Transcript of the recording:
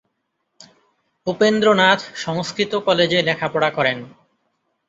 উপেন্দ্রনাথ সংস্কৃত কলেজে লেখাপড়া করেন।